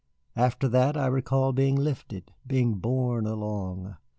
After that I recall being lifted, being borne along.